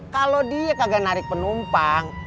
kalau dia gagal narik penumpang